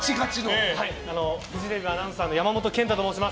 フジテレビアナウンサーの山本賢太と申します。